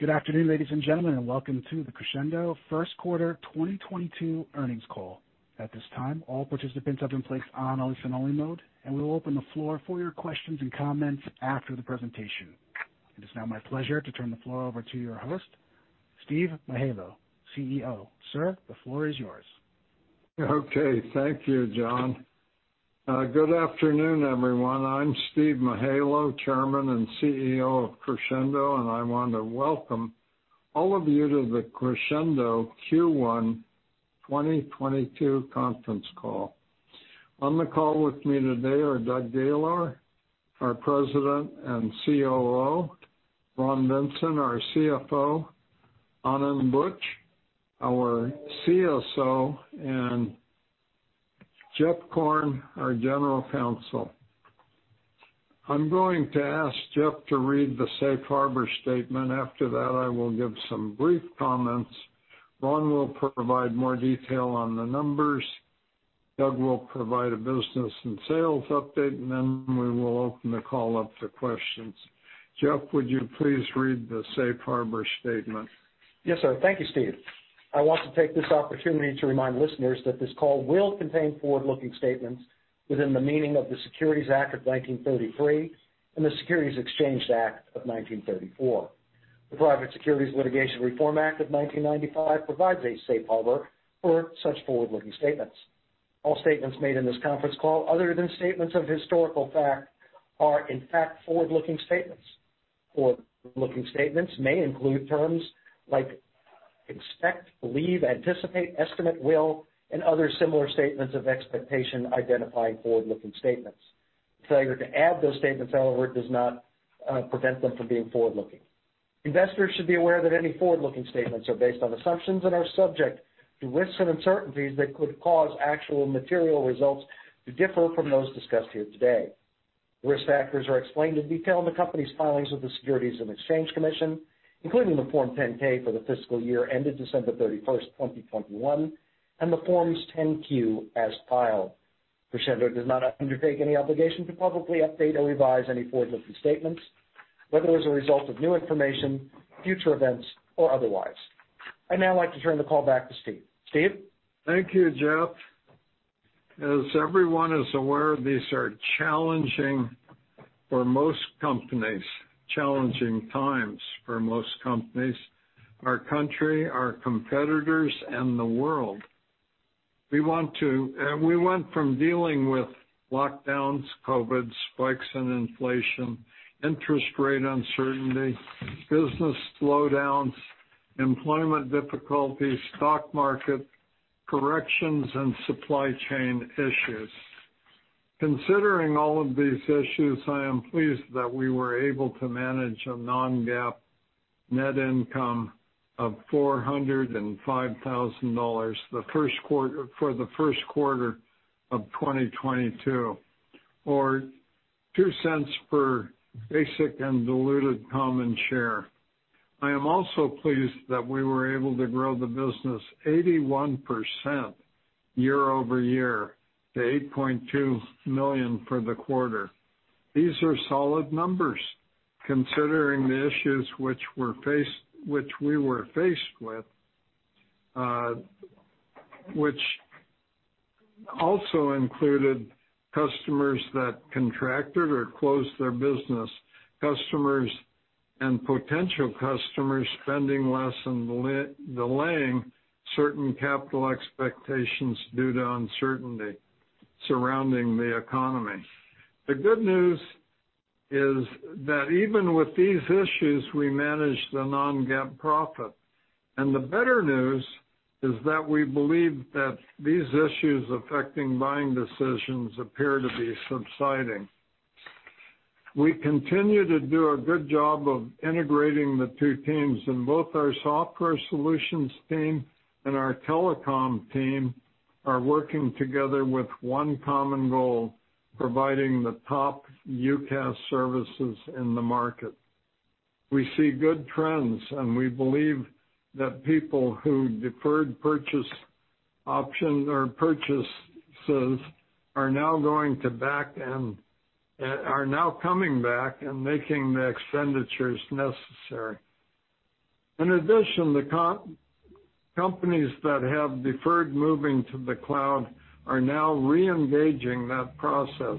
Good afternoon, ladies and gentlemen, and welcome to the Crexendo first quarter 2022 earnings call. At this time, all participants have been placed on a listen only mode, and we will open the floor for your questions and comments after the presentation. It is now my pleasure to turn the floor over to your host, Steve Mihaylo, CEO. Sir, the floor is yours. Okay, thank you, John. Good afternoon, everyone. I'm Steve Mihaylo, Chairman and CEO of Crexendo, and I want to welcome all of you to the Crexendo Q1 2022 conference call. On the call with me today are Doug Gaylor, our President and COO, Ron Vincent, our CFO, Anand Buch, our CSO, and Jeff Korn, our General Counsel. I'm going to ask Jeff to read the safe harbor statement. After that, I will give some brief comments. Ron will provide more detail on the numbers. Doug will provide a business and sales update, and then we will open the call up to questions. Jeff, would you please read the safe harbor statement? Yes, sir. Thank you, Steve. I want to take this opportunity to remind listeners that this call will contain forward-looking statements within the meaning of the Securities Act of 1933 and the Securities Exchange Act of 1934. The Private Securities Litigation Reform Act of 1995 provides a safe harbor for such forward-looking statements. All statements made in this conference call other than statements of historical fact are, in fact, forward-looking statements. Forward-looking statements may include terms like expect, believe, anticipate, estimate, will, and other similar statements of expectation identifying forward-looking statements. Failure to add those statements, however, does not prevent them from being forward-looking. Investors should be aware that any forward-looking statements are based on assumptions and are subject to risks and uncertainties that could cause actual material results to differ from those discussed here today. Risk factors are explained in detail in the company's filings with the Securities and Exchange Commission, including the Form 10-K for the fiscal year ended December 31, 2021, and the Forms 10-Q as filed. Crexendo does not undertake any obligation to publicly update or revise any forward-looking statements, whether as a result of new information, future events, or otherwise. I'd now like to turn the call back to Steve. Steve? Thank you, Jeff. As everyone is aware, these are challenging times for most companies, our country, our competitors, and the world. We went from dealing with lockdowns, COVID spikes and inflation, interest rate uncertainty, business slowdowns, employment difficulties, stock market corrections, and supply chain issues. Considering all of these issues, I am pleased that we were able to manage a non-GAAP net income of $405,000 for the first quarter of 2022 or $0.02 per basic and diluted common share. I am also pleased that we were able to grow the business 81% year-over-year to $8.2 million for the quarter. These are solid numbers considering the issues which we were faced with, which also included customers that contracted or closed their business, customers and potential customers spending less and delaying certain capital expenditures due to uncertainty surrounding the economy. The good news is that even with these issues, we managed a non-GAAP profit. The better news is that we believe that these issues affecting buying decisions appear to be subsiding. We continue to do a good job of integrating the two teams, and both our software solutions team and our telecom team are working together with one common goal, providing the top UCaaS services in the market. We see good trends, and we believe that people who deferred purchase option or purchases are now coming back and making the expenditures necessary. In addition, the companies that have deferred moving to the cloud are now reengaging that process.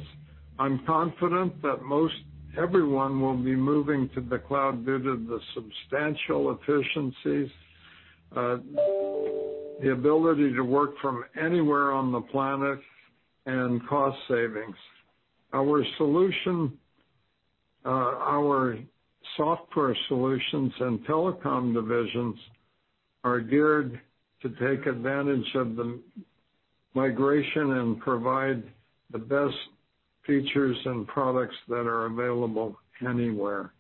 I'm confident that most everyone will be moving to the cloud due to the substantial efficiencies, the ability to work from anywhere on the planet, and cost savings. Our solution, our software solutions and telecom divisions are geared to take advantage of the migration and provide the best features and products that are available anywhere.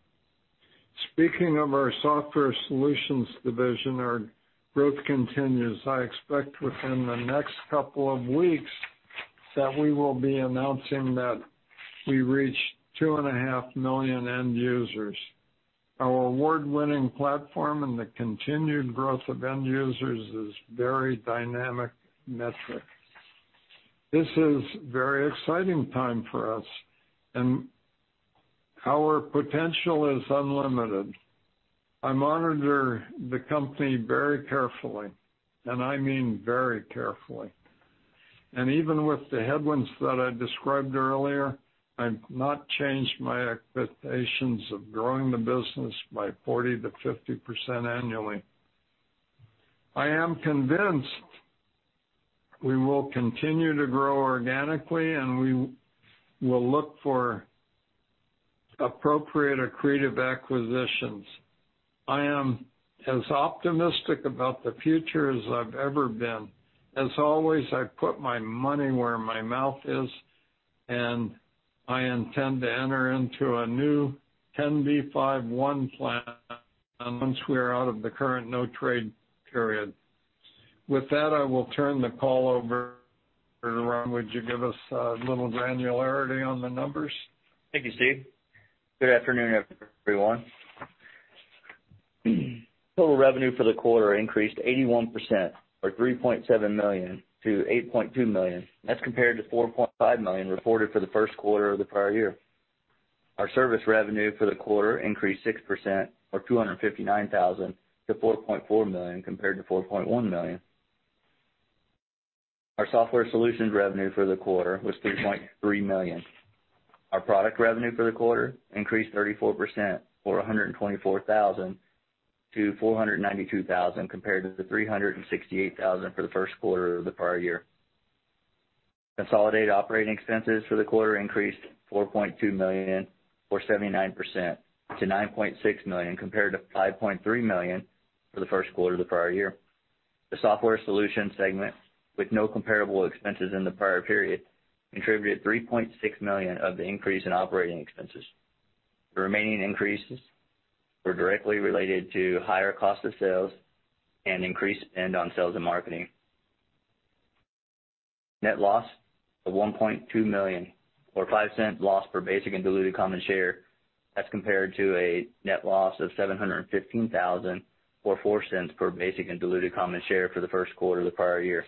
Speaking of our software solutions division, our growth continues. I expect within the next couple of weeks that we will be announcing that we reached 2.5 million end users. Our award-winning platform and the continued growth of end users is very dynamic metrics. This is very exciting time for us, and our potential is unlimited. I monitor the company very carefully, and I mean very carefully. Even with the headwinds that I described earlier, I've not changed my expectations of growing the business by 40%-50% annually. I am convinced we will continue to grow organically, and we will look for appropriate accretive acquisitions. I am as optimistic about the future as I've ever been. As always, I put my money where my mouth is, and I intend to enter into a new 10b5-1 plan once we're out of the current no-trade period. With that, I will turn the call over to Ron. Would you give us a little granularity on the numbers? Thank you, Steve. Good afternoon, everyone. Total revenue for the quarter increased 81% or $3.7 million to $8.2 million. That's compared to $4.5 million reported for the first quarter of the prior year. Our service revenue for the quarter increased 6% or $259,000 to $4.4 million compared to $4.1 million. Our software solutions revenue for the quarter was $3.3 million. Our product revenue for the quarter increased 34% or $124,000 to $492,000 compared to the $368,000 for the first quarter of the prior year. Consolidated operating expenses for the quarter increased $4.2 million or 79% to $9.6 million compared to $5.3 million for the first quarter of the prior year. The software solution segment, with no comparable expenses in the prior period, contributed $3.6 million of the increase in operating expenses. The remaining increases were directly related to higher cost of sales and increased spend on sales and marketing. Net loss of $1.2 million or $0.05 loss per basic and diluted common share. That's compared to a net loss of $715,000 or $0.04 per basic and diluted common share for the first quarter of the prior year.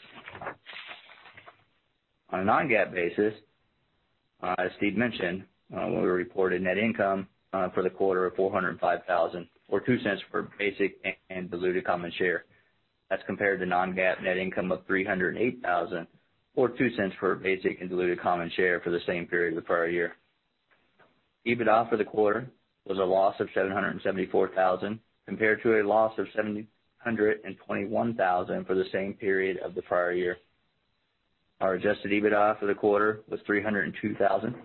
On a non-GAAP basis, as Steve mentioned, we reported net income for the quarter of $405,000 or $0.02 per basic and diluted common share. That's compared to non-GAAP net income of $308,000 or $0.02 per basic and diluted common share for the same period of the prior year. EBITDA for the quarter was a loss of $774,000, compared to a loss of $721,000 for the same period of the prior year. Our Adjusted EBITDA for the quarter was $302,000.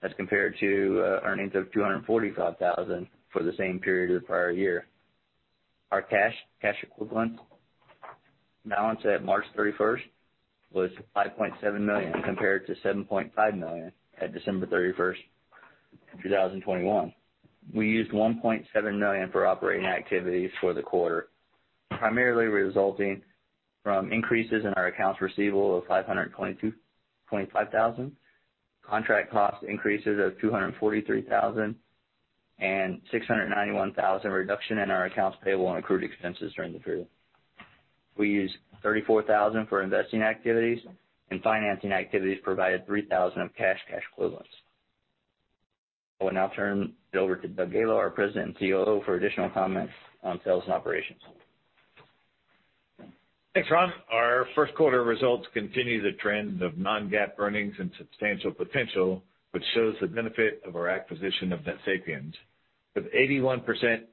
That's compared to earnings of $245,000 for the same period of the prior year. Our cash and cash equivalents balance at March 31 was $5.7 million compared to $7.5 million at December 31, 2021. We used $1.7 million for operating activities for the quarter, primarily resulting from increases in our accounts receivable of $525,000, contract cost increases of $243,000, and $691,000 reduction in our accounts payable and accrued expenses during the period. We used $34,000 for investing activities, and financing activities provided $3,000 of cash and cash equivalents. I will now turn it over to Doug Gaylor, our President and COO, for additional comments on sales and operations. Thanks, Ron. Our first quarter results continue the trend of non-GAAP earnings and substantial potential, which shows the benefit of our acquisition of NetSapiens. With 81%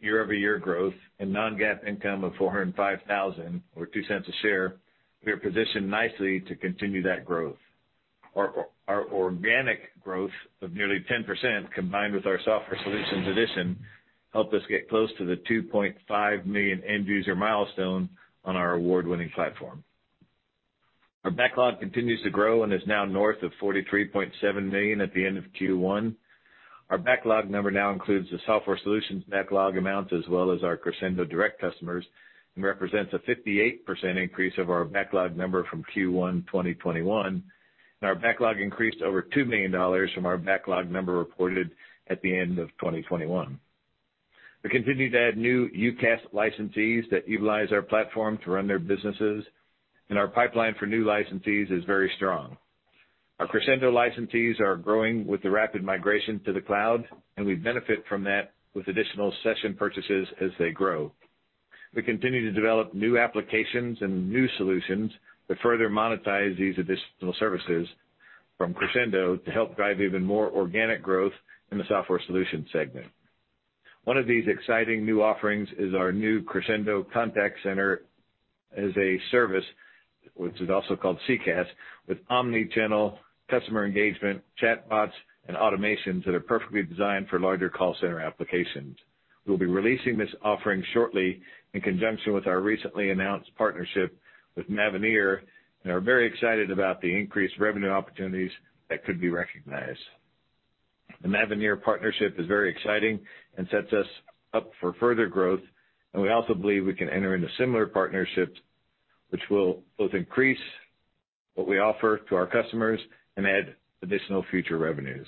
year-over-year growth and non-GAAP income of $405,000 or $0.02 a share, we are positioned nicely to continue that growth. Our organic growth of nearly 10%, combined with our software solutions addition, helped us get close to the 2.5 million end user milestone on our award-winning platform. Our backlog continues to grow and is now north of $43.7 million at the end of Q1. Our backlog number now includes the software solutions backlog amounts, as well as our Crexendo direct customers, and represents a 58% increase of our backlog number from Q1 2021. Our backlog increased over $2 million from our backlog number reported at the end of 2021. We continue to add new UCaaS licensees that utilize our platform to run their businesses, and our pipeline for new licensees is very strong. Our Crexendo licensees are growing with the rapid migration to the cloud, and we benefit from that with additional session purchases as they grow. We continue to develop new applications and new solutions that further monetize these additional services from Crexendo to help drive even more organic growth in the software solution segment. One of these exciting new offerings is our new Crexendo Contact Center as a Service, which is also called CCaaS, with omni-channel customer engagement, chatbots, and automations that are perfectly designed for larger call center applications. We'll be releasing this offering shortly in conjunction with our recently announced partnership with Mavenir, and are very excited about the increased revenue opportunities that could be recognized. The Mavenir partnership is very exciting and sets us up for further growth, and we also believe we can enter into similar partnerships which will both increase what we offer to our customers and add additional future revenues.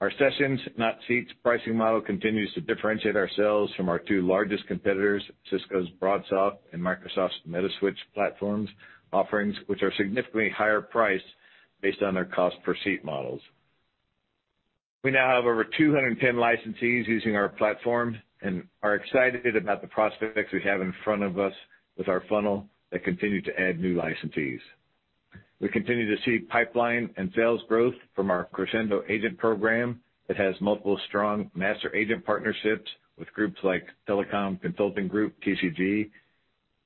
Our sessions-not-seats pricing model continues to differentiate ourselves from our two largest competitors, Cisco's BroadSoft and Microsoft's Metaswitch platform's offerings, which are significantly higher priced based on their cost per seat models. We now have over 210 licensees using our platform, and are excited about the prospects we have in front of us with our funnel that continue to add new licensees. We continue to see pipeline and sales growth from our Crexendo agent program that has multiple strong master agent partnerships with groups like Telecom Consulting Group, TCG,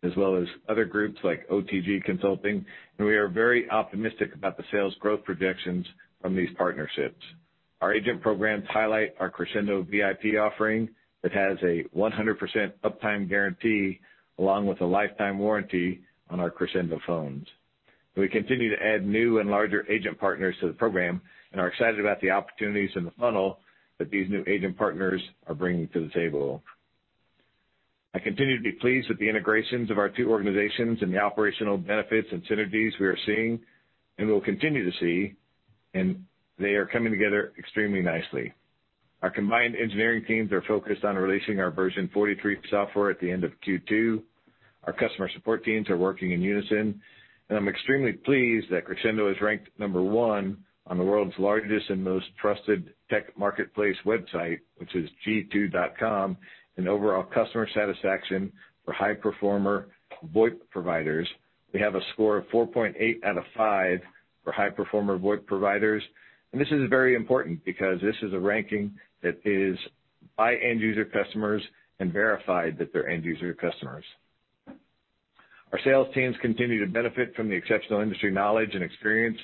as well as other groups like OTG Consulting, and we are very optimistic about the sales growth projections from these partnerships. Our agent programs highlight our Crexendo VIP offering that has a 100% uptime guarantee, along with a lifetime warranty on our Crexendo phones. We continue to add new and larger agent partners to the program and are excited about the opportunities in the funnel that these new agent partners are bringing to the table. I continue to be pleased with the integrations of our two organizations and the operational benefits and synergies we are seeing and will continue to see, and they are coming together extremely nicely. Our combined engineering teams are focused on releasing our version 43 software at the end of Q2. Our customer support teams are working in unison, and I'm extremely pleased that Crexendo is ranked number one on the world's largest and most trusted tech marketplace website, which is G2.com, in overall customer satisfaction for high performer VoIP providers. We have a score of 4.8 out of 5 for high performer VoIP providers. This is very important because this is a ranking that is by end user customers and verified that they're end user customers. Our sales teams continue to benefit from the exceptional industry knowledge and experience,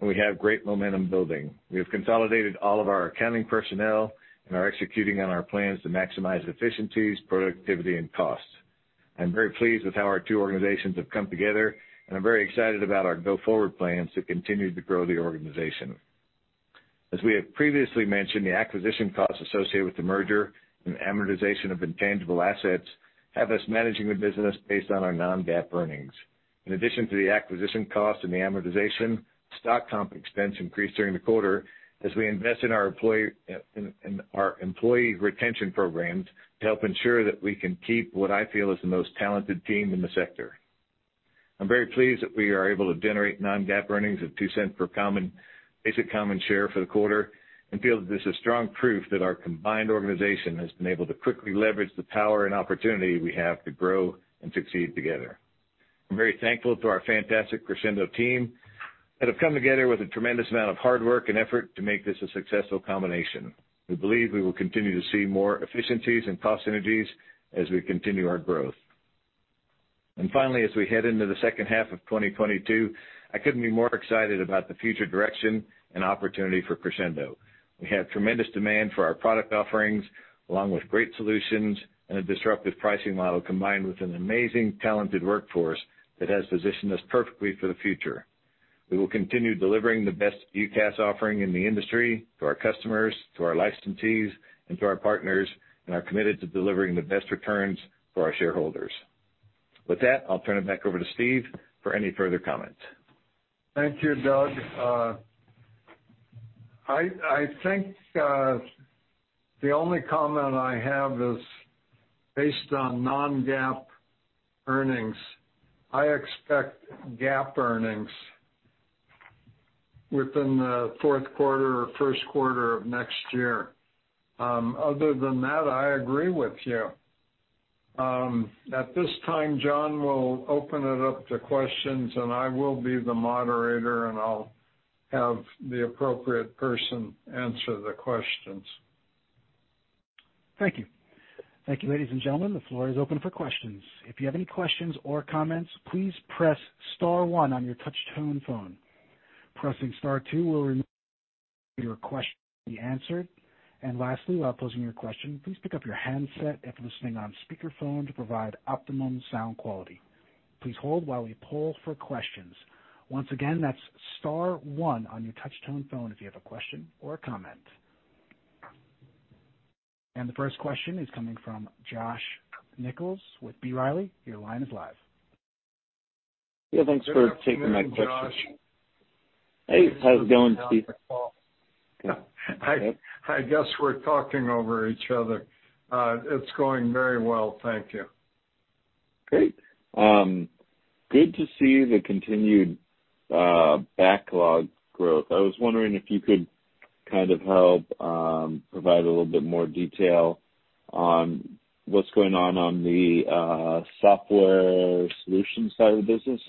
and we have great momentum building. We have consolidated all of our accounting personnel and are executing on our plans to maximize efficiencies, productivity, and costs. I'm very pleased with how our two organizations have come together, and I'm very excited about our go-forward plans to continue to grow the organization. As we have previously mentioned, the acquisition costs associated with the merger and amortization of intangible assets have us managing the business based on our non-GAAP earnings. In addition to the acquisition cost and the amortization, stock comp expense increased during the quarter as we invest in our employee retention programs to help ensure that we can keep what I feel is the most talented team in the sector. I'm very pleased that we are able to generate non-GAAP earnings of $0.02 per common, basic common share for the quarter and feel that this is strong proof that our combined organization has been able to quickly leverage the power and opportunity we have to grow and succeed together. I'm very thankful to our fantastic Crexendo team that have come together with a tremendous amount of hard work and effort to make this a successful combination. We believe we will continue to see more efficiencies and cost synergies as we continue our growth. Finally, as we head into the second half of 2022, I couldn't be more excited about the future direction and opportunity for Crexendo. We have tremendous demand for our product offerings along with great solutions and a disruptive pricing model combined with an amazing talented workforce that has positioned us perfectly for the future. We will continue delivering the best UCaaS offering in the industry to our customers, to our licensees, and to our partners, and are committed to delivering the best returns for our shareholders. With that, I'll turn it back over to Steve for any further comments. Thank you, Doug. I think the only comment I have is based on non-GAAP earnings. I expect GAAP earnings within the fourth quarter or first quarter of next year. Other than that, I agree with you. At this time, John will open it up to questions, and I will be the moderator, and I'll have the appropriate person answer the questions. Thank you. Thank you, ladies and gentlemen. The floor is open for questions. If you have any questions or comments, please press star one on your touchtone phone. Pressing star two will remove your question to be answered. Lastly, while posing your question, please pick up your handset if you're listening on speakerphone to provide optimum sound quality. Please hold while we poll for questions. Once again, that's star one on your touchtone phone if you have a question or a comment. The first question is coming from Josh Nichols with B. Riley. Your line is live. Yeah, thanks for taking my question. Good afternoon, Josh. Hey, how's it going, Steve? I guess we're talking over each other. It's going very well. Thank you. Great. Good to see the continued backlog growth. I was wondering if you could kind of help provide a little bit more detail on what's going on the software solutions side of the business.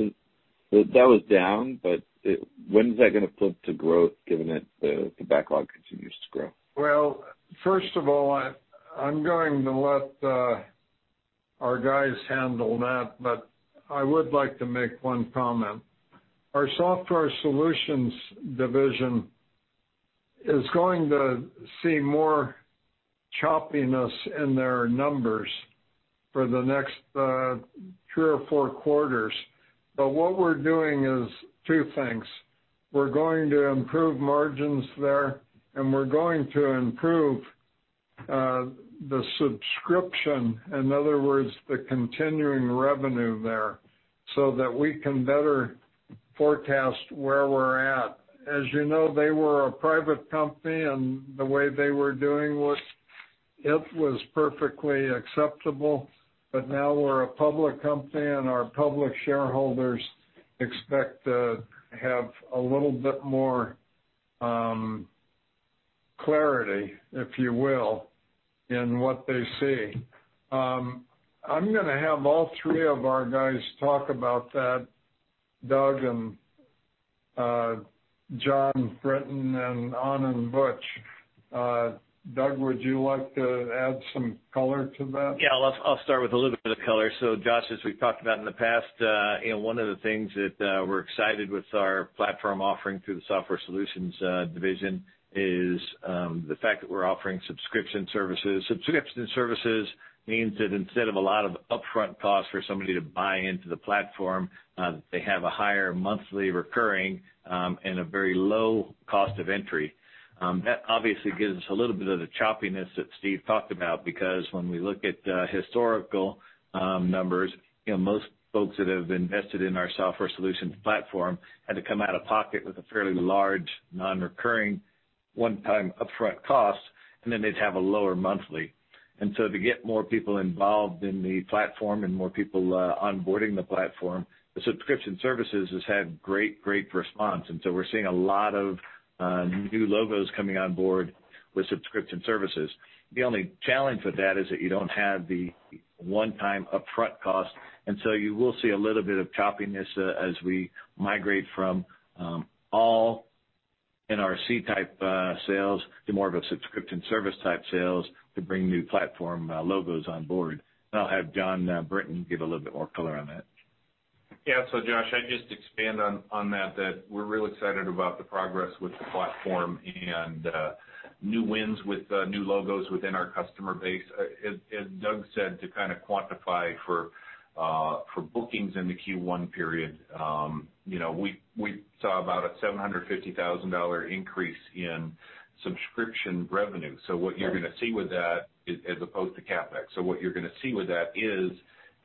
That was down, but when is that gonna flip to growth given that the backlog continues to grow? Well, first of all, I'm going to let our guys handle that, but I would like to make one comment. Our software solutions division is going to see more choppiness in their numbers for the next three or four quarters. What we're doing is two things. We're going to improve margins there, and we're going to improve the subscription, in other words, the continuing revenue there, so that we can better forecast where we're at. As you know, they were a private company, and the way they were doing was, it was perfectly acceptable. Now we're a public company, and our public shareholders expect to have a little bit more clarity, if you will, in what they see. I'm gonna have all three of our guys talk about that, Doug and Jon Brinton and Anand Buch. Doug, would you like to add some color to that? Yeah. I'll start with a little bit of color. Josh, as we've talked about in the past, you know, one of the things that we're excited with our platform offering through the software solutions division is the fact that we're offering subscription services. Subscription services means that instead of a lot of upfront costs for somebody to buy into the platform, they have a higher monthly recurring and a very low cost of entry. That obviously gives us a little bit of the choppiness that Steve talked about, because when we look at historical numbers, you know, most folks that have invested in our software solutions platform had to come out of pocket with a fairly large non-recurring one-time upfront cost, and then they'd have a lower monthly. To get more people involved in the platform and more people onboarding the platform, the subscription services has had great response. We're seeing a lot of new logos coming on board with subscription services. The only challenge with that is that you don't have the one-time upfront cost, and so you will see a little bit of choppiness as we migrate from all NRC-type sales to more of a subscription service-type sales to bring new platform logos on board. I'll have Jon Brinton give a little bit more color on that. Yeah. Josh, I just expand on that we're real excited about the progress with the platform and new wins with new logos within our customer base. As Doug said, to kinda quantify for bookings in the Q1 period, we saw about a $750,000 increase in subscription revenue. What you're gonna see with that as opposed to CapEx is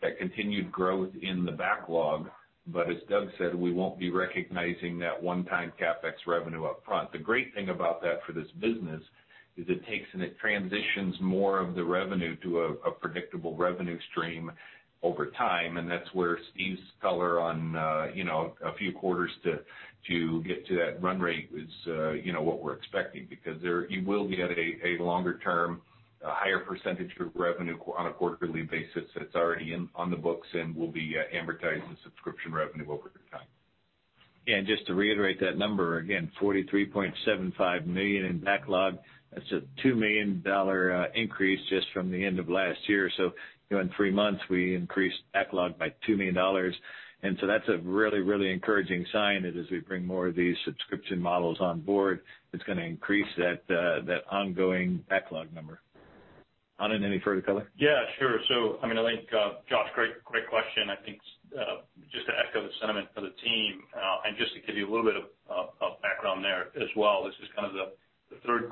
that continued growth in the backlog, but as Doug said, we won't be recognizing that one-time CapEx revenue upfront. The great thing about that for this business is it takes and it transitions more of the revenue to a predictable revenue stream over time, and that's where Steve's color on, you know, a few quarters to get to that run rate is, you know, what we're expecting. Because you will be at a longer term, a higher percentage of revenue on a quarterly basis that's already on the books and will be amortized as subscription revenue over time. Just to reiterate that number, again, $43.75 million in backlog. That's a $2 million increase just from the end of last year. You know, in three months, we increased backlog by $2 million. That's a really, really encouraging sign as we bring more of these subscription models on board, it's gonna increase that ongoing backlog number. Anand, any further color? Yeah, sure. Josh, great question. I think just to echo the sentiment for the team, and just to give you a little bit of background there as well, this is kind of the third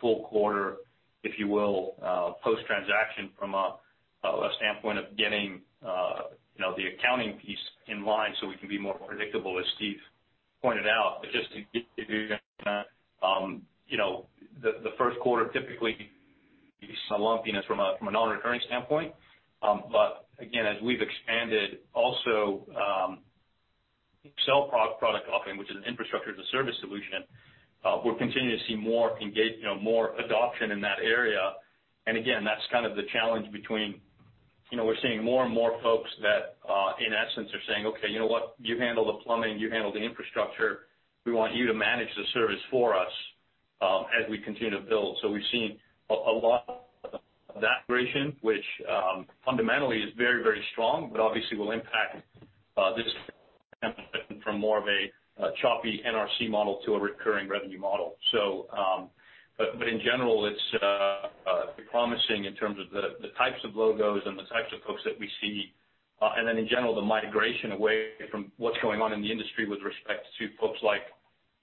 full quarter, if you will, post-transaction from a standpoint of getting, you know, the accounting piece in line so we can be more predictable, as Steve pointed out. Just to give you know, the first quarter typically sees some lumpiness from a non-recurring standpoint. Again, as we've expanded also, SaaS product offering, which is an infrastructure as a service solution, we're continuing to see more adoption in that area. Again, that's kind of the challenge between. You know, we're seeing more and more folks that, in essence are saying, "Okay, you know what? You handle the plumbing, you handle the infrastructure, we want you to manage the service for us, as we continue to build." We've seen a lot of that migration, which, fundamentally is very, very strong, but obviously will impact this from more of a choppy NRC model to a recurring revenue model. But in general, it's promising in terms of the types of logos and the types of folks that we see, and then in general, the migration away from what's going on in the industry with respect to folks like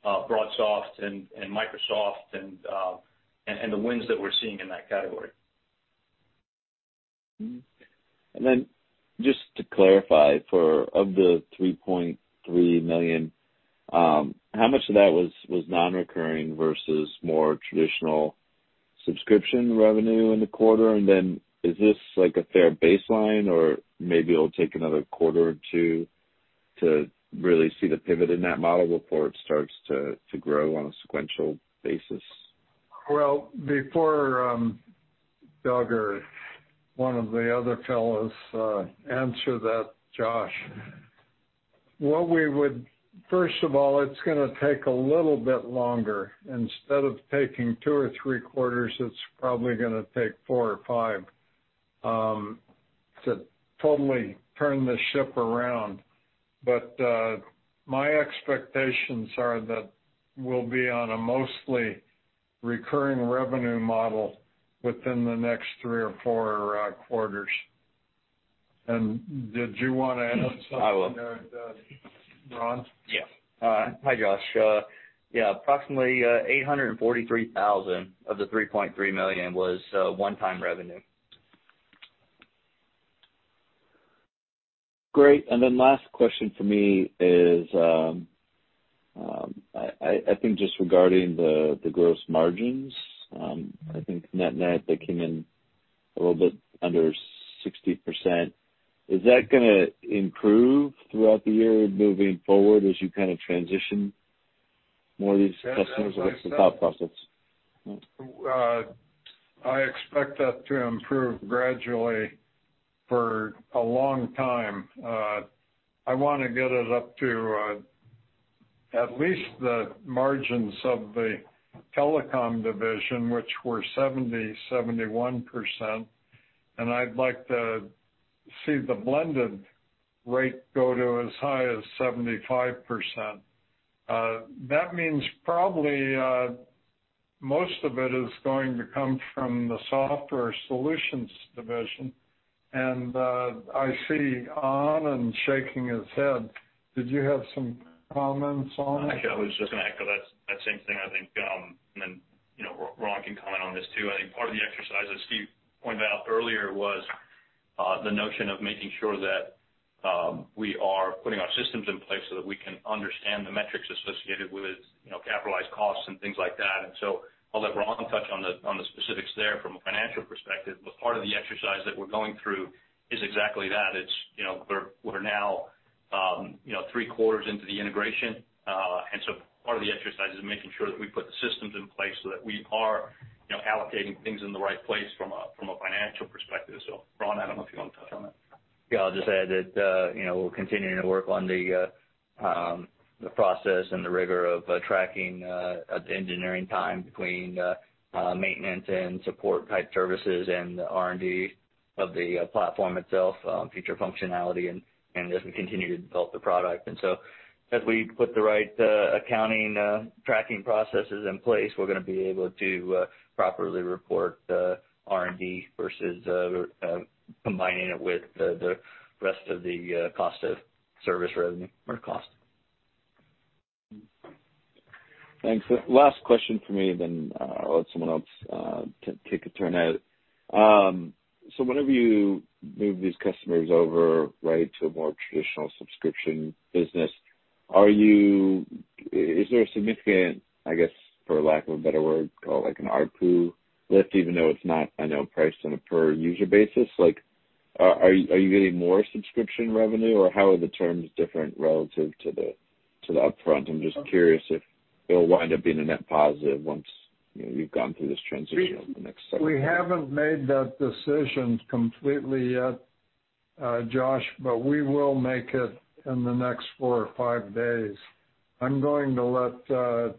BroadSoft and Microsoft and the wins that we're seeing in that category. Mm-hmm. Just to clarify, of the $3.3 million, how much of that was non-recurring versus more traditional subscription revenue in the quarter? Is this like a fair baseline or maybe it'll take another quarter or two to really see the pivot in that model before it starts to grow on a sequential basis? Well, before Doug or one of the other fellows answer that, Josh. First of all, it's gonna take a little bit longer. Instead of taking two or three quarters, it's probably gonna take 4 or 5 to totally turn the ship around. My expectations are that we'll be on a mostly recurring revenue model within the next three or four quarters. Did you want to add on something there, Ron? Yeah. Hi, Josh. Yeah, approximately $843,000 of the $3.3 million was one-time revenue. Great. Last question for me is, I think just regarding the gross margins, I think net-net, they came in a little bit under 60%. Is that gonna improve throughout the year moving forward as you kind of transition more of these customers onto cloud platform? I expect that to improve gradually for a long time. I wanna get it up to at least the margins of the telecom division, which were 71%. I'd like to see the blended rate go to as high as 75%. That means probably most of it is going to come from the software solutions division. I see Anand shaking his head. Did you have some comments, Anand? Actually, I was just gonna echo that same thing, I think. Then, you know, Ron can comment on this too. I think part of the exercise, as Steve pointed out earlier, was the notion of making sure that we are putting our systems in place so that we can understand the metrics associated with, you know, capitalized costs and things like that. I'll let Ron touch on the specifics there from a financial perspective, but part of the exercise that we're going through is exactly that. It's, you know, we're now, you know, three-quarters into the integration. Part of the exercise is making sure that we put the systems in place so that we are, you know, allocating things in the right place from a financial perspective. Ron, I don't know if you wanna touch on that. Yeah, I'll just add that, you know, we're continuing to work on the process and the rigor of tracking engineering time between maintenance and support-type services and the R&D of the platform itself, future functionality and as we continue to develop the product. As we put the right accounting tracking processes in place, we're gonna be able to properly report the R&D versus combining it with the rest of the cost of service revenue or cost. Thanks. Last question for me, then, I'll let someone else take a turn at it. Whenever you move these customers over, right, to a more traditional subscription business, is there a significant, I guess, for lack of a better word, call it like an ARPU lift, even though it's not, I know, priced on a per user basis? Like, are you getting more subscription revenue or how are the terms different relative to the upfront? I'm just curious if it'll wind up being a net positive once, you know, you've gone through this transition over the next several quarters. We haven't made that decision completely yet, Josh, but we will make it in the next 4 or 5 days. I'm going to let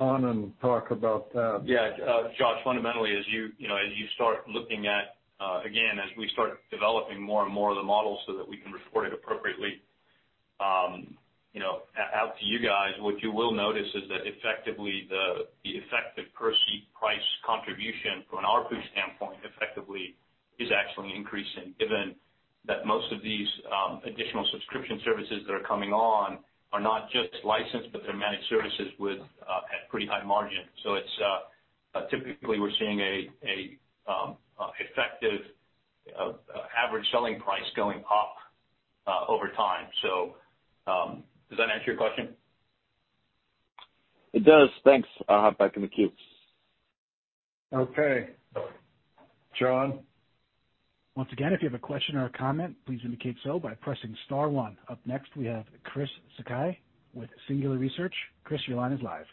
Anand talk about that. Yeah, Josh, fundamentally, as you know, as you start looking at, again, as we start developing more and more of the models so that we can report it appropriately, you know, out to you guys, what you will notice is that effectively the effective per-seat price contribution from an ARPU standpoint effectively is actually increasing, given that most of these additional subscription services that are coming on are not just licensed, but they're managed services with a pretty high margin. It's typically we're seeing a effective average selling price going up over time. Does that answer your question? It does. Thanks. I'll hop back in the queue. Okay. John? Once again, if you have a question or a comment, please indicate so by pressing star one. Up next, we have Chris Sakai with Singular Research. Chris, your line is live.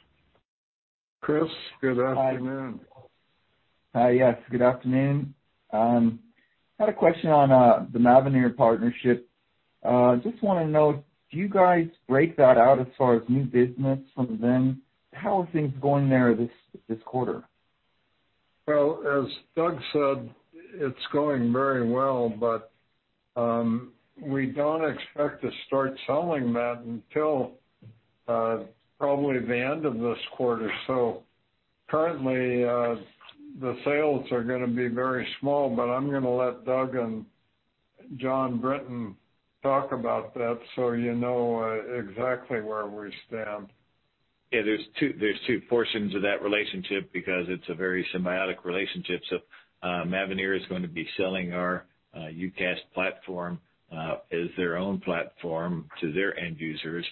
Chris, good afternoon. Hi. Hi, yes, good afternoon. Had a question on the Mavenir partnership. Just wanna know, do you guys break that out as far as new business from them? How are things going there this quarter? Well, as Doug said, it's going very well, but we don't expect to start selling that until probably the end of this quarter. Currently, the sales are gonna be very small, but I'm gonna let Doug and Jon Brinton talk about that so you know exactly where we stand. Yeah, there's two portions of that relationship because it's a very symbiotic relationship. Mavenir is going to be selling our UCaaS platform as their own platform to their end users.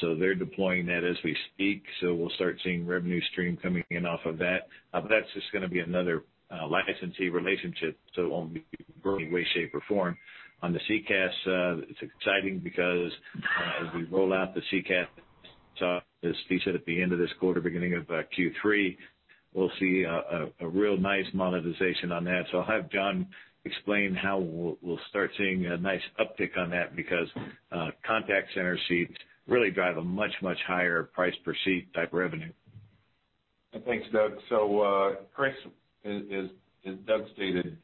They're deploying that as we speak, so we'll start seeing revenue stream coming in off of that. That's just gonna be another licensee relationship, so it won't be Any way, shape, or form. On the CCaaS, it's exciting because, as we roll out the CCaaS, as Steve said, at the end of this quarter, beginning of Q3, we'll see a real nice monetization on that. I'll have Jon explain how we'll start seeing a nice uptick on that because contact center seats really drive a much higher price per seat type revenue. Thanks, Doug. Chris, as Doug stated,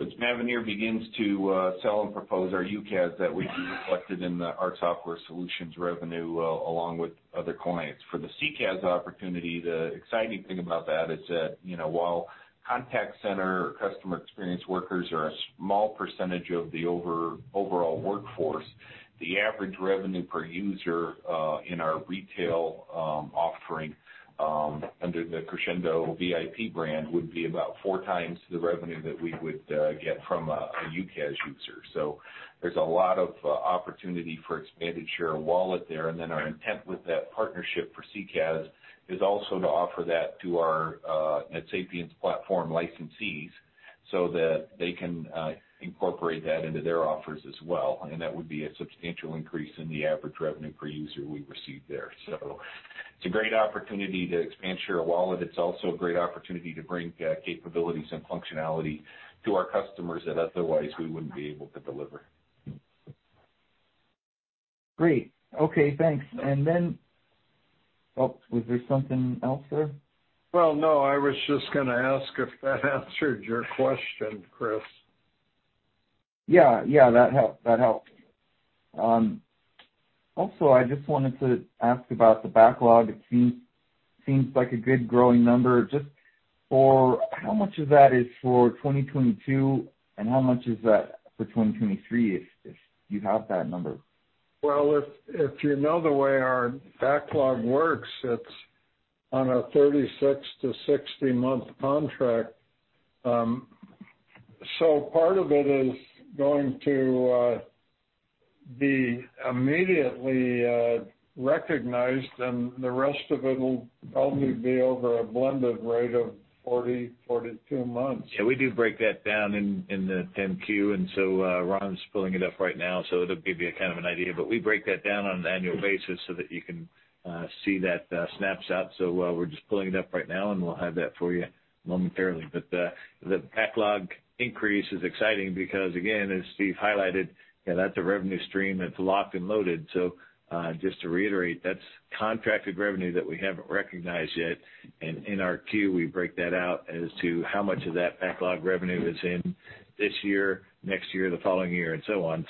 Mavenir begins to sell and propose our UCaaS that we've reflected in our software solutions revenue, along with other clients. For the CCaaS opportunity, the exciting thing about that is that, you know, while contact center customer experience workers are a small percentage of the overall workforce, the average revenue per user in our retail offering under the Crexendo VIP brand would be about 4x the revenue that we would get from a UCaaS user. There's a lot of opportunity for expanded share of wallet there. Our intent with that partnership for CCaaS is also to offer that to our NetSapiens platform licensees so that they can incorporate that into their offers as well, and that would be a substantial increase in the average revenue per user we receive there. It's a great opportunity to expand share of wallet. It's also a great opportunity to bring capabilities and functionality to our customers that otherwise we wouldn't be able to deliver. Great. Okay, thanks. Oh, was there something else there? Well, no. I was just gonna ask if that answered your question, Chris. Yeah. Yeah, that helped. Also, I just wanted to ask about the backlog. It seems like a good growing number. Just for how much of that is for 2022, and how much is that for 2023, if you have that number? Well, if you know the way our backlog works, it's on a 36-60-month contract. So part of it is going to be immediately recognized, and the rest of it will probably be over a blended rate of 40-42 months. Yeah, we do break that down in the 10-Q, Ron's pulling it up right now, so it'll give you a kind of an idea. We break that down on an annual basis so that you can see that snapshot. We're just pulling it up right now, and we'll have that for you momentarily. The backlog increase is exciting because again, as Steve highlighted, you know, that's a revenue stream that's locked and loaded. Just to reiterate, that's contracted revenue that we haven't recognized yet. In our 10-Q, we break that out as to how much of that backlog revenue is in this year, next year, the following year, and so on.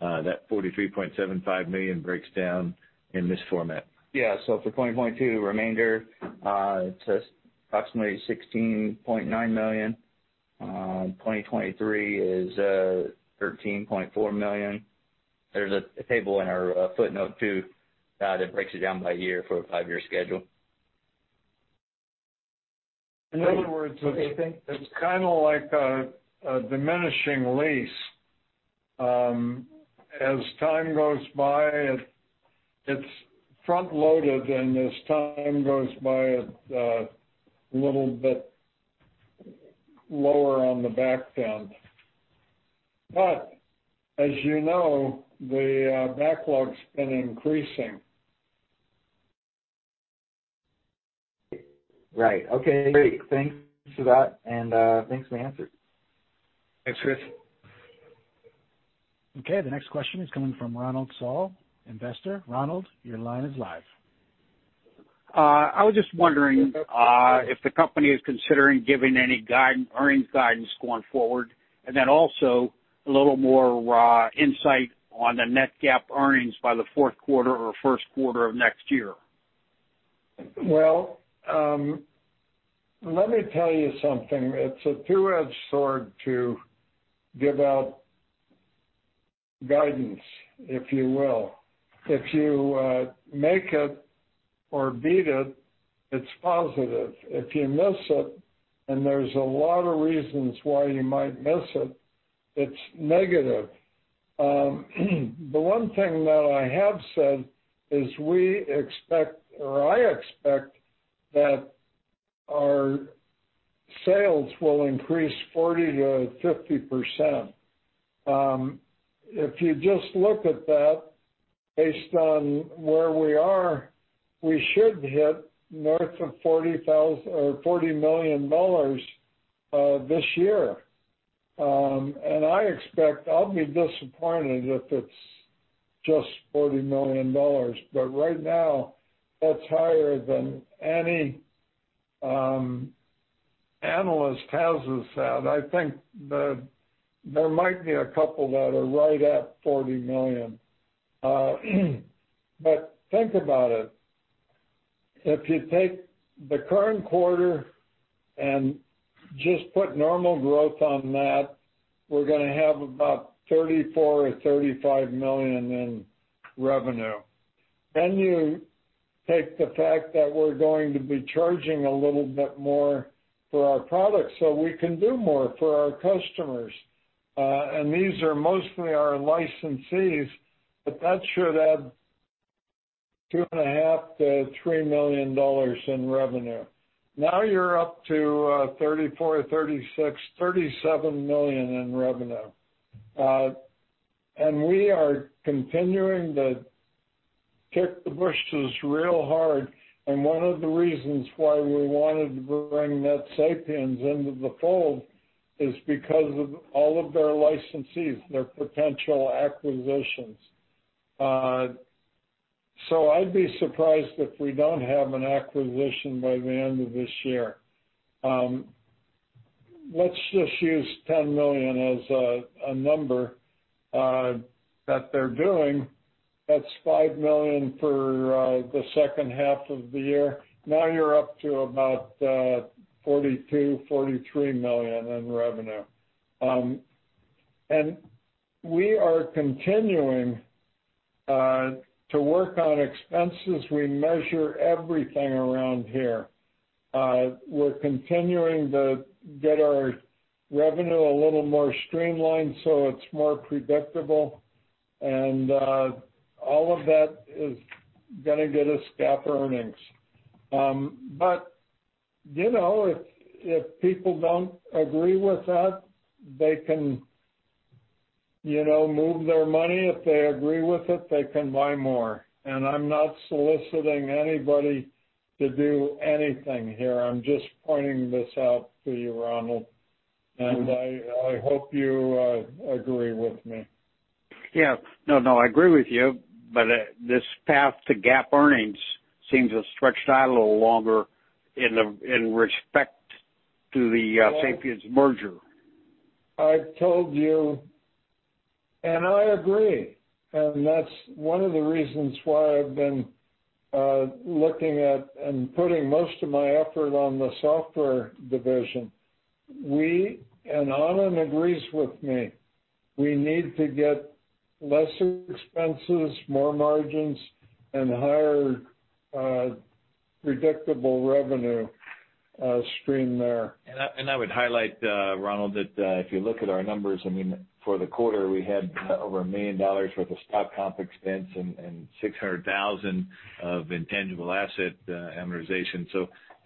That $43.75 million breaks down in this format. For 2022 remainder, it's approximately $16.9 million. 2023 is $13.4 million. There's a table in our footnote too that breaks it down by year for a five-year schedule. In other words, it's kinda like a diminishing lease. As time goes by, it's front loaded, and as time goes by, a little bit lower on the back end. But as you know, the backlog's been increasing. Right. Okay, great. Thanks for that, and thanks for the answer. Thanks, Chris. Okay. The next question is coming from Ronald Saul, investor. Ronald, your line is live. I was just wondering if the company is considering giving any earnings guidance going forward, and then also a little more insight on the non-GAAP earnings by the fourth quarter or first quarter of next year? Let me tell you something. It's a two-edged sword to give out guidance, if you will. If you make it or beat it's positive. If you miss it, and there's a lot of reasons why you might miss it's negative. The one thing that I have said is we expect, or I expect that our sales will increase 40%-50%. If you just look at that based on where we are, we should hit north of $40 million this year. I expect I'll be disappointed if it's just $40 million. Right now, that's higher than any analyst has us at. I think there might be a couple that are right at $40 million. Think about it. If you take the current quarter and just put normal growth on that, we're gonna have about $34 million or $35 million in revenue. You take the fact that we're going to be charging a little bit more for our products, so we can do more for our customers. These are mostly our licensees, but that should add $2.5 million-$3 million in revenue. Now you're up to $34 million, $36 million, $37 million in revenue. We are continuing to kick the bushes real hard, and one of the reasons why we wanted to bring NetSapiens into the fold is because of all of their licensees, their potential acquisitions, so I'd be surprised if we don't have an acquisition by the end of this year. Let's just use $10 million as a number that they're doing. That's $5 million for the second half of the year. Now you're up to about $42-$43 million in revenue. We are continuing to work on expenses. We measure everything around here. We're continuing to get our revenue a little more streamlined so it's more predictable and all of that is gonna get us GAAP earnings. You know, if people don't agree with that, they can you know, move their money. If they agree with it, they can buy more. I'm not soliciting anybody to do anything here. I'm just pointing this out to you, Ronald. Mm-hmm. I hope you agree with me. Yeah. No, no, I agree with you, but this path to GAAP earnings seems to have stretched out a little longer in respect to the NetSapiens merger. I told you, and I agree, and that's one of the reasons why I've been looking at and putting most of my effort on the software division. We, and Anand agrees with me, we need to get lesser expenses, more margins, and higher predictable revenue stream there. I would highlight, Ronald, that if you look at our numbers, I mean, for the quarter, we had over $1 million worth of stock comp expense and $600,000 of intangible asset amortization.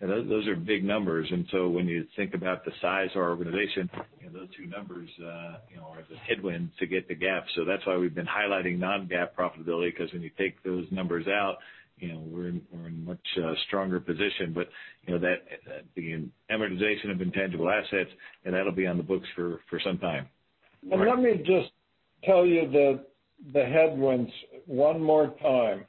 Those are big numbers. When you think about the size of our organization, you know, those two numbers, you know, are the headwind to get to GAAP. That's why we've been highlighting non-GAAP profitability, 'cause when you take those numbers out, you know, we're in much stronger position. But you know that the amortization of intangible assets, and that'll be on the books for some time. Let me just tell you the headwinds one more time.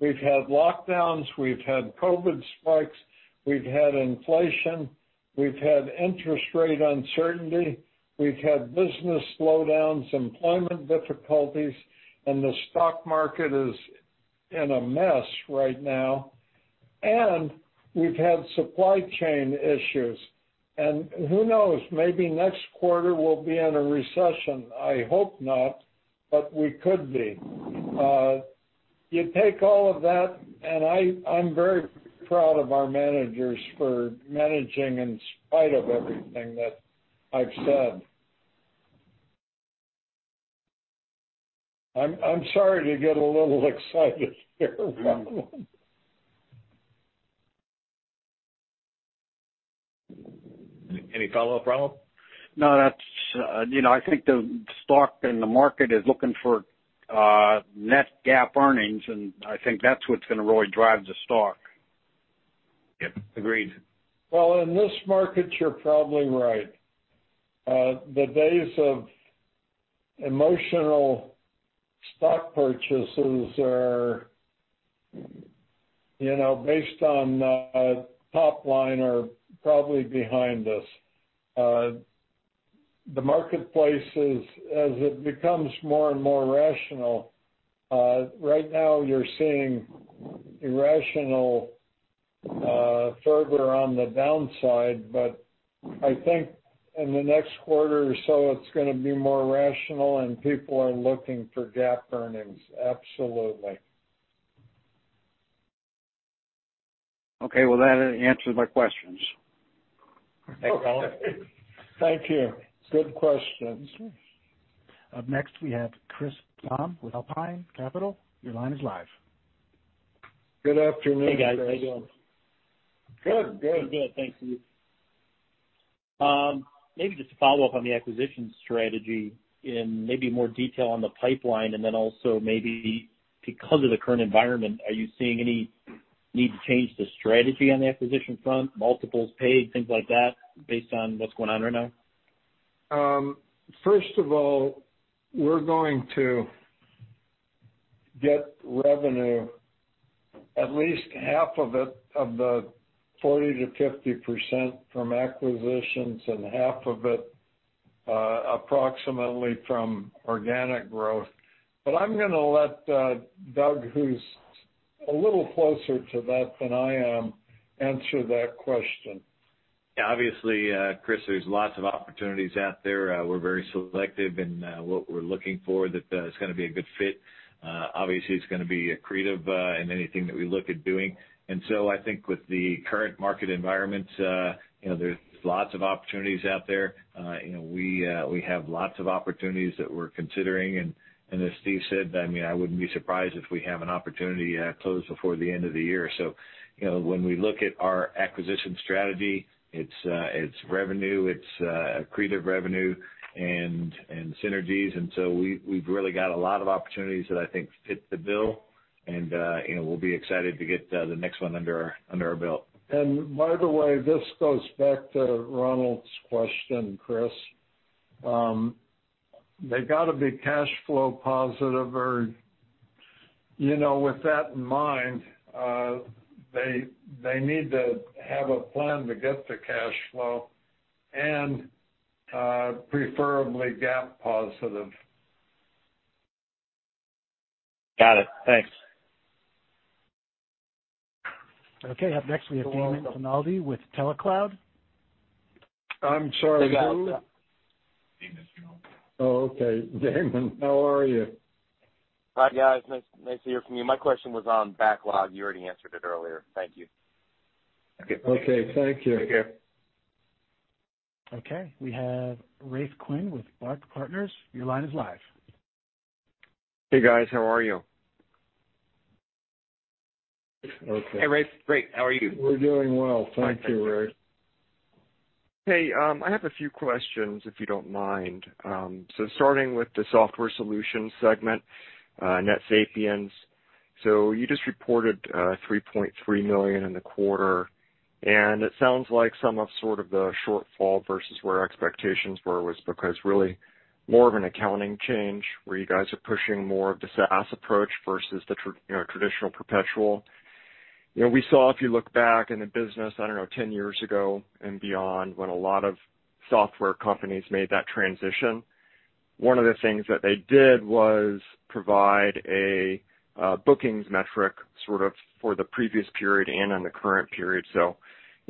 We've had lockdowns, we've had COVID spikes, we've had inflation, we've had interest rate uncertainty, we've had business slowdowns, employment difficulties, and the stock market is in a mess right now. We've had supply chain issues. Who knows? Maybe next quarter we'll be in a recession. I hope not, but we could be. You take all of that, and I'm very proud of our managers for managing in spite of everything that I've said. I'm sorry to get a little excited here, Ronald Saul. Any follow-up, Ronald? No, that's, you know, I think the stock and the market is looking for net GAAP earnings, and I think that's what's gonna really drive the stock. Yep. Agreed. Well, in this market, you're probably right. The days of emotional stock purchases are, you know, based on top line are probably behind us. The marketplace is, as it becomes more and more rational, right now you're seeing irrational further on the downside. I think in the next quarter or so, it's gonna be more rational and people are looking for GAAP earnings. Absolutely. Okay. Well, that answers my questions. Thanks, Ronald. Thank you. Good questions. Up next, we have Chris Tom with Alpine Capital. Your line is live. Good afternoon, Chris. Hey, guys. How you doing? Good. Good. Good. Thank you. Maybe just to follow up on the acquisition strategy and maybe more detail on the pipeline, and then also maybe because of the current environment, are you seeing any need to change the strategy on the acquisition front, multiples paid, things like that, based on what's going on right now? First of all, we're going to get revenue, at least half of it, of the 40%-50% from acquisitions and half of it, approximately from organic growth. I'm gonna let Doug, who's a little closer to that than I am, answer that question. Yeah. Obviously, Chris, there's lots of opportunities out there. We're very selective in what we're looking for that is gonna be a good fit. Obviously it's gonna be accretive in anything that we look at doing. I think with the current market environment, you know, there's lots of opportunities out there. You know, we have lots of opportunities that we're considering. And as Steve said, I mean, I wouldn't be surprised if we have an opportunity closed before the end of the year. You know, when we look at our acquisition strategy, it's revenue, it's accretive revenue and synergies. We've really got a lot of opportunities that I think fit the bill and, you know, we'll be excited to get the next one under our belt. By the way, this goes back to Ronald's question, Chris. They gotta be cash flow positive or, you know, with that in mind, they need to have a plan to get to cash flow and, preferably GAAP positive. Got it. Thanks. Okay, up next we have Damon Finaldi with TeleCloud. I'm sorry, who? I got it, yeah. Oh, okay. Damon, how are you? Hi, guys. Nice, nice to hear from you. My question was on backlog. You already answered it earlier. Thank you. Okay, thank you. Take care. Okay, we have Rafe Quinn with BARC Partners. Your line is live. Hey, guys. How are you? Okay. Hey, Rafe. Great. How are you? We're doing well. Thank you, Rafe. Hey, I have a few questions, if you don't mind. Starting with the software solutions segment, NetSapiens. You just reported $3.3 million in the quarter, and it sounds like some sort of the shortfall versus where expectations were was because really more of an accounting change, where you guys are pushing more of the SaaS approach versus the traditional perpetual. You know, we saw if you look back in the business, I don't know, 10 years ago and beyond, when a lot of software companies made that transition, one of the things that they did was provide a bookings metric for the previous period and in the current period. You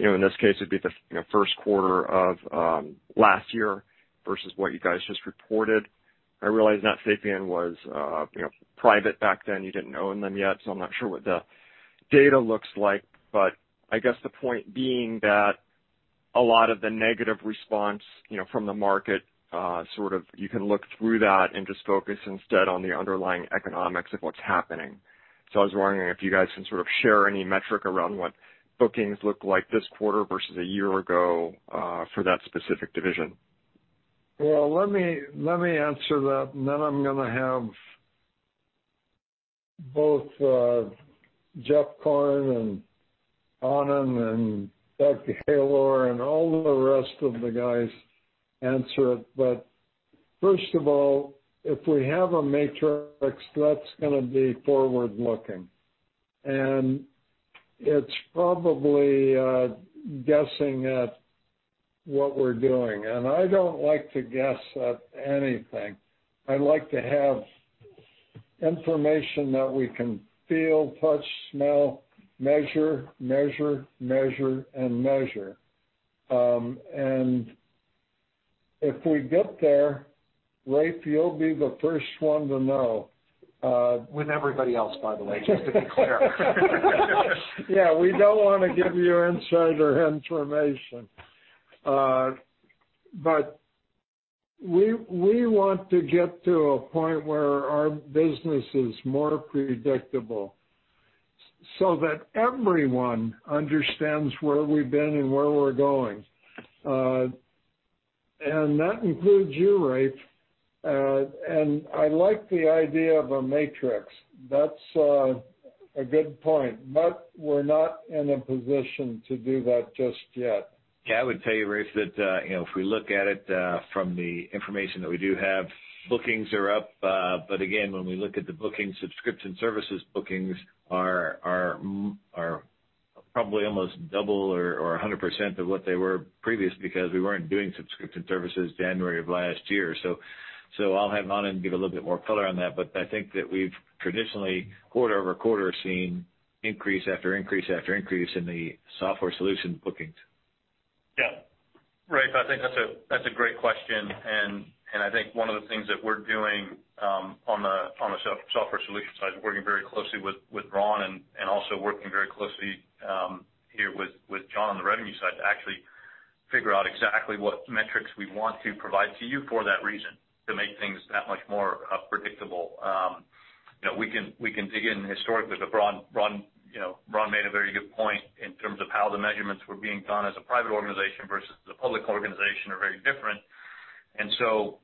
know, in this case, it'd be the first quarter of last year versus what you guys just reported. I realize NetSapiens was, you know, private back then. You didn't own them yet, so I'm not sure what the data looks like. I guess the point being that a lot of the negative response, you know, from the market, sort of you can look through that and just focus instead on the underlying economics of what's happening. I was wondering if you guys can sort of share any metric around what bookings look like this quarter versus a year ago, for that specific division. Well, let me answer that, and then I'm gonna have both Jeff Korn and Anand and Doug Gaylor and all the rest of the guys answer it. First of all, if we have metrics, that's gonna be forward looking, and it's probably guessing at what we're doing, and I don't like to guess at anything. I like to have information that we can feel, touch, smell, measure. And if we get there, Rafe, you'll be the first one to know. With everybody else, by the way, just to be clear. Yeah, we don't wanna give you insider information. We want to get to a point where our business is more predictable so that everyone understands where we've been and where we're going. That includes you, Rafe. I like the idea of a matrix. That's a good point, but we're not in a position to do that just yet. Yeah, I would tell you, Rafe, that, you know, if we look at it from the information that we do have, bookings are up. But again, when we look at the bookings, subscription services bookings are probably almost double or 100% of what they were previously because we weren't doing subscription services January of last year. I'll have Anand give a little bit more color on that, but I think that we've traditionally quarter-over-quarter seen increase after increase after increase in the software solution bookings. Yeah. Rafe, I think that's a great question, and I think one of the things that we're doing on the software solution side is working very closely with Ron and also working very closely here with John on the revenue side to actually figure out exactly what metrics we want to provide to you for that reason, to make things that much more predictable. You know, we can dig in historically, but Ron, you know, Ron made a very good point in terms of how the measurements were being done as a private organization versus as a public organization are very different.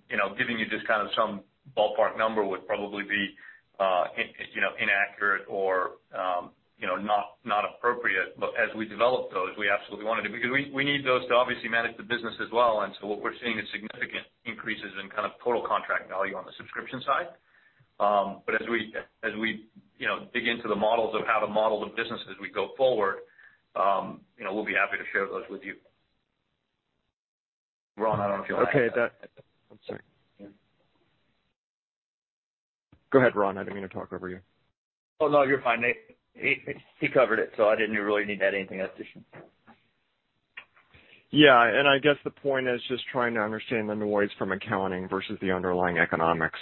You know, giving you just kind of some ballpark number would probably be inaccurate or you know, not appropriate. As we develop those, we absolutely want to do it because we need those to obviously manage the business as well. What we're seeing is significant increases in kind of total contract value on the subscription side. As we you know dig into the models of how to model the business as we go forward, you know, we'll be happy to share those with you. Ron, I don't know if you wanna add. Okay. I'm sorry. Go ahead, Ron. I didn't mean to talk over you. Oh, no, you're fine. He covered it, so I didn't really need to add anything else to it. Yeah. I guess the point is just trying to understand the noise from accounting versus the underlying economics.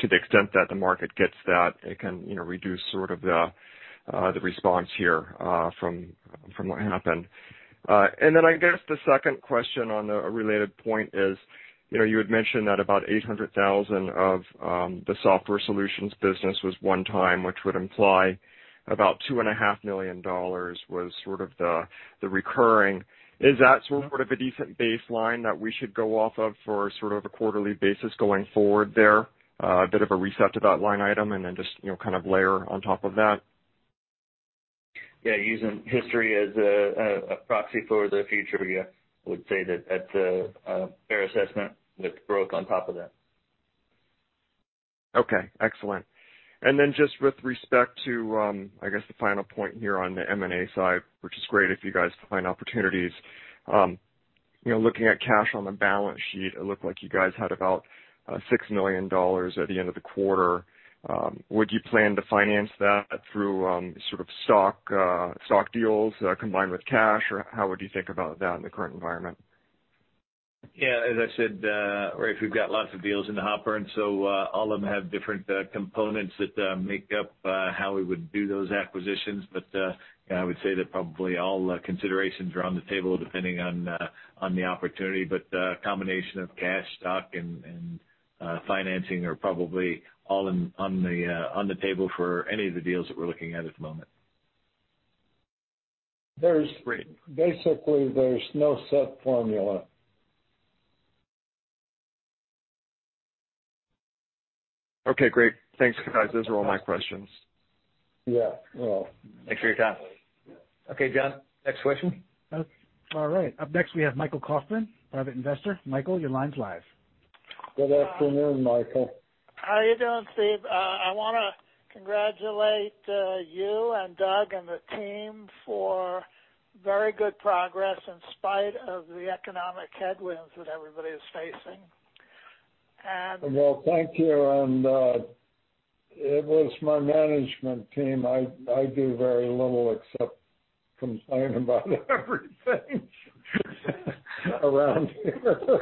To the extent that the market gets that, it can, you know, reduce sort of the response here from what happened. I guess the second question on a related point is, you know, you had mentioned that about $800,000 of the software solutions business was one-time, which would imply about $2.5 million was sort of the recurring. Is that sort of a decent baseline that we should go off of for sort of a quarterly basis going forward there? A bit of a reset to that line item and then just, you know, kind of layer on top of that. Yeah, using history as a proxy for the future, yeah. I would say that that's a fair assessment with growth on top of that. Okay, excellent. Just with respect to, I guess the final point here on the M&A side, which is great if you guys find opportunities. You know, looking at cash on the balance sheet, it looked like you guys had about $6 million at the end of the quarter. Would you plan to finance that through sort of stock deals combined with cash? How would you think about that in the current environment? Yeah, as I said, Rafe, we've got lots of deals in the hopper, and so all of them have different components that make up how we would do those acquisitions. Yeah, I would say that probably all considerations are on the table depending on the opportunity, but a combination of cash, stock and financing are probably all on the table for any of the deals that we're looking at this moment. There's- Great. Basically, there's no set formula. Okay, great. Thanks, guys. Those are all my questions. Yeah. Thanks for your time. Okay, John. Next question. All right. Up next, we have Michael Kaufman, Private Investor. Michael, your line's live. Good afternoon, Michael. How are you doing, Steve? I wanna congratulate you and Doug and the team for very good progress in spite of the economic headwinds that everybody is facing. Well, thank you. It was my management team. I do very little except complain about everything around here.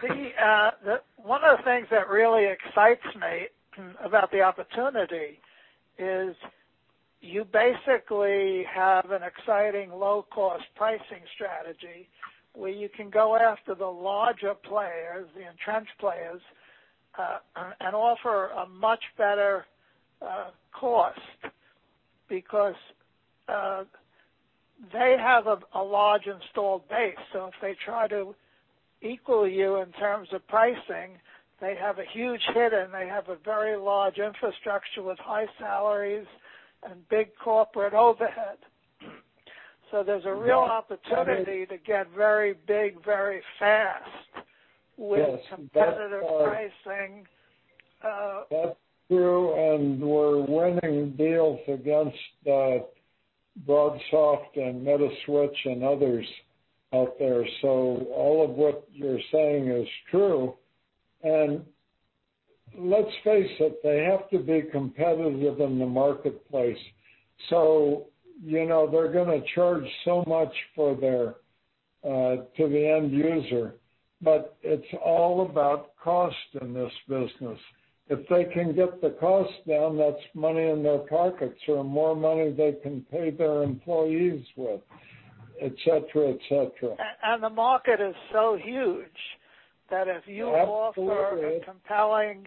See, one of the things that really excites me about the opportunity is you basically have an exciting low-cost pricing strategy, where you can go after the larger players, the entrenched players, and offer a much better cost because they have a large installed base. So if they try to equal you in terms of pricing, they have a huge hit, and they have a very large infrastructure with high salaries and big corporate overhead. So there's a real opportunity to get very big, very fast. Yes. With competitive pricing. That's true, and we're winning deals against BroadSoft and Metaswitch and others out there. All of what you're saying is true. Let's face it, they have to be competitive in the marketplace. You know, they're gonna charge so much for their to the end user. It's all about cost in this business. If they can get the cost down, that's money in their pockets or more money they can pay their employees with, et cetera, et cetera. The market is so huge that if you offer. Absolutely. A compelling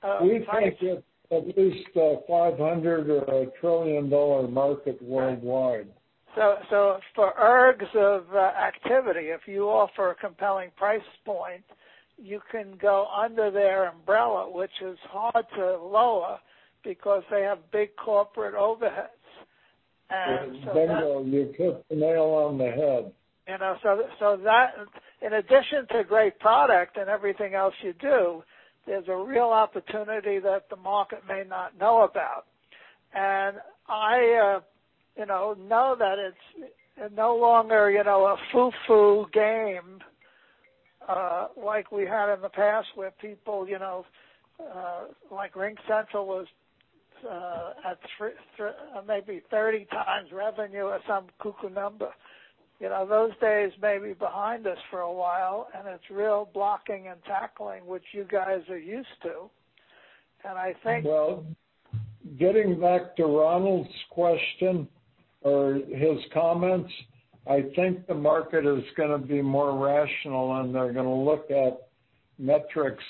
price. We think it's at least a $500 billion or a trillion-dollar market worldwide. For areas of activity, if you offer a compelling price point, you can go under their umbrella, which is hard to lower because they have big corporate overheads. Bingo. You hit the nail on the head. You know, in addition to great product and everything else you do, there's a real opportunity that the market may not know about. I know that it's no longer a foo-foo game like we had in the past with people like RingCentral was at 30x revenue or some cuckoo number. You know, those days may be behind us for a while, and it's real blocking and tackling, which you guys are used to. I think- Well, getting back to Ronald's question or his comments, I think the market is gonna be more rational, and they're gonna look at metrics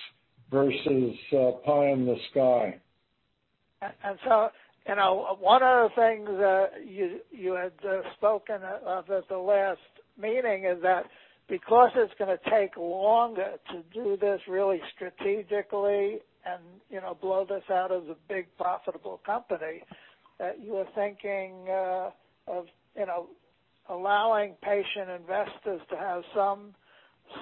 versus pie in the sky. You know, one of the things that you had spoken of at the last meeting is that because it's gonna take longer to do this really strategically and, you know, blow this out as a big profitable company, that you were thinking of, you know, allowing patient investors to have some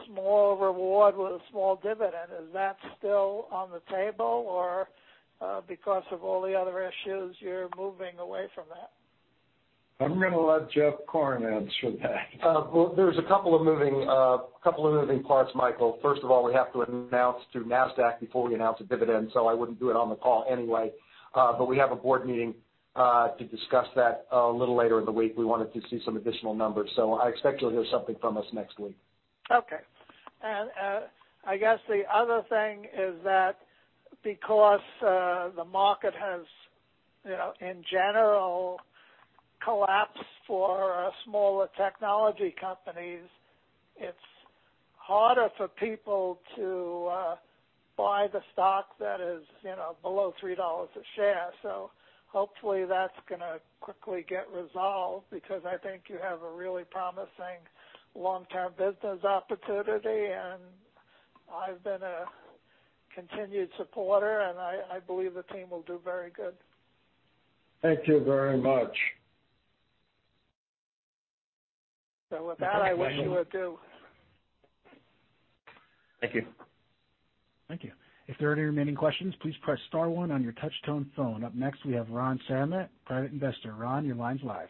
small reward with a small dividend. Is that still on the table? Or, because of all the other issues, you're moving away from that? I'm gonna let Jeff Korn answer that. Well, there's a couple of moving parts, Michael. First of all, we have to announce through Nasdaq before we announce a dividend, so I wouldn't do it on the call anyway. We have a board meeting to discuss that a little later in the week. We wanted to see some additional numbers. I expect you'll hear something from us next week. Okay. I guess the other thing is that because the market has, you know, in general collapsed for smaller technology companies, it's harder for people to buy the stock that is, you know, below $3 a share. Hopefully, that's gonna quickly get resolved because I think you have a really promising long-term business opportunity. I've been a continued supporter, and I believe the team will do very good. Thank you very much. With that, I wish you well, too. Thank you. Thank you. If there are any remaining questions, please press star one on your touch tone phone. Up next, we have Ron Samet, Private Investor. Ron, your line's live.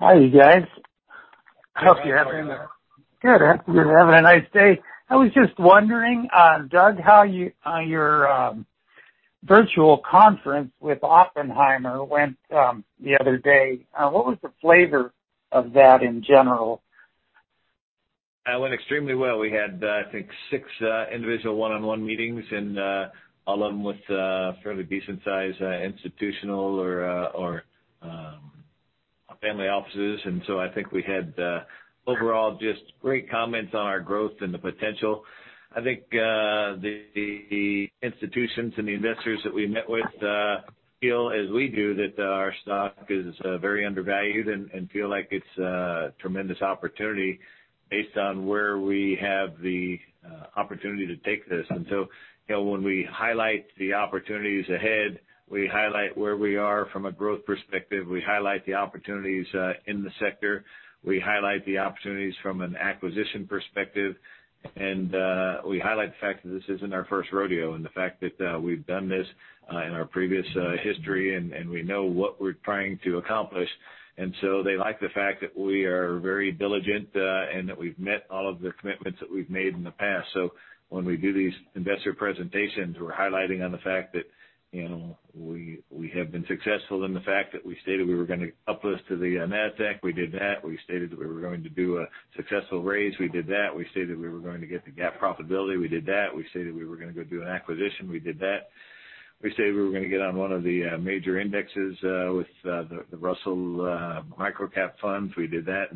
Hi, you guys. How are you? Good. We're having a nice day. I was just wondering, Doug, how your virtual conference with Oppenheimer went, the other day. What was the flavor of that in general? It went extremely well. We had, I think, 6 individual one-on-one meetings and all of them with fairly decent size institutional or family offices. I think we had overall just great comments on our growth and the potential. I think the institutions and the investors that we met with feel as we do that our stock is very undervalued and feel like it's a tremendous opportunity based on where we have the opportunity to take this. You know, when we highlight the opportunities ahead, we highlight where we are from a growth perspective. We highlight the opportunities in the sector. We highlight the opportunities from an acquisition perspective. We highlight the fact that this isn't our first rodeo and the fact that we've done this in our previous history and we know what we're trying to accomplish. They like the fact that we are very diligent and that we've met all of the commitments that we've made in the past. When we do these investor presentations, we're highlighting on the fact that, you know, we have been successful and the fact that we stated we were gonna uplist to the Nasdaq, we did that. We stated that we were going to do a successful raise, we did that. We stated we were going to get the GAAP profitability, we did that. We stated we were gonna go do an acquisition, we did that. We said we were gonna get on one of the major indexes with the Russell Microcap funds. We did that.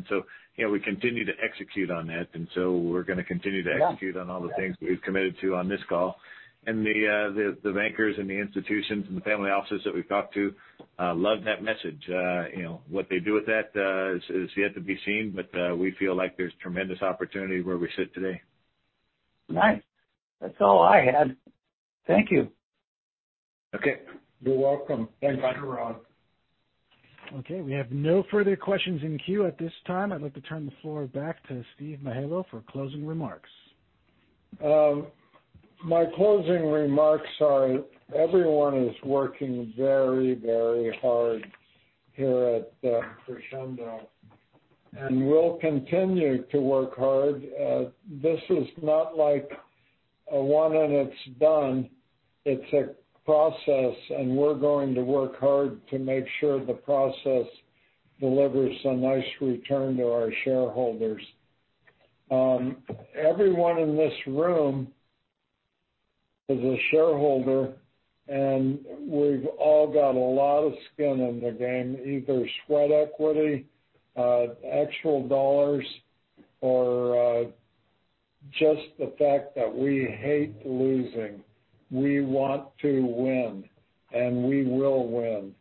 You know, we continue to execute on that. We're gonna continue to execute on all the things we've committed to on this call. The bankers and the institutions and the family offices that we've talked to love that message. You know, what they do with that is yet to be seen, but we feel like there's tremendous opportunity where we sit today. Nice. That's all I had. Thank you. Okay. You're welcome. Thanks. Bye, Ron. Okay. We have no further questions in queue at this time. I'd like to turn the floor back to Steve Mihaylo for closing remarks. My closing remarks are everyone is working very, very hard here at Crexendo, and we'll continue to work hard. This is not like a one and it's done. It's a process, and we're going to work hard to make sure the process delivers a nice return to our shareholders. Everyone in this room is a shareholder, and we've all got a lot of skin in the game, either sweat equity, actual dollars, or just the fact that we hate losing. We want to win, and we will win.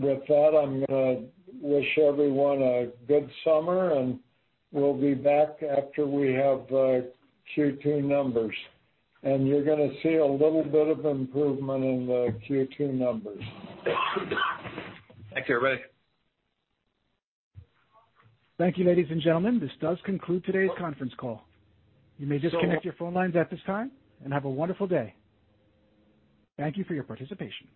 With that, I'm gonna wish everyone a good summer, and we'll be back after we have Q2 numbers. You're gonna see a little bit of improvement in the Q2 numbers. Thanks, everybody. Thank you, ladies and gentlemen. This does conclude today's conference call. You may disconnect your phone lines at this time, and have a wonderful day. Thank you for your participation.